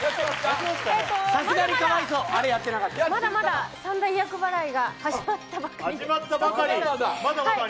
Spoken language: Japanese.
まだまだ三大厄払いが始まったばっかりで。